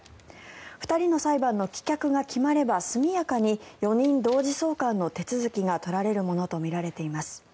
２人の裁判の棄却が決まれば速やかに４人同時送還の手続きが取られるものとみられています。